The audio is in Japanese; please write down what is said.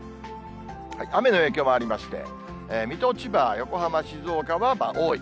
雨の影響もありまして、水戸、千葉、横浜、静岡は多い。